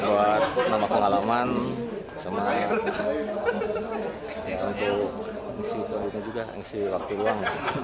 buat nama pengalaman sama untuk mengisi pelajar juga mengisi waktu ruang